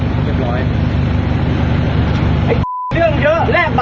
อ่ามันเป็นหน้าที่ของเราครับ